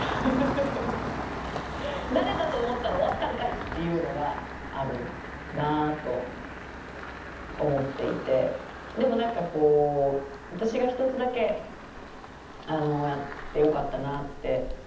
「慣れたと思ったら終わったんかい」っていうのがあるなと思っていてでも何か私が一つだけやってよかったなって思ったのはあの。